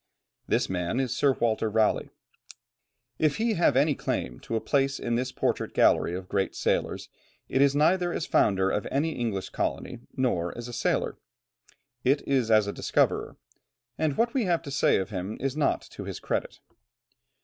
This man is Sir Walter Raleigh. If he have any claim to a place in this portrait gallery of great sailors, it is neither as founder of any English colony nor as a sailor; it is as a discoverer, and what we have to say of him is not to his credit.